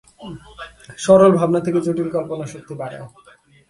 সরল ভাবনা থেকে জটিল কল্পনাশক্তি বাড়ায়।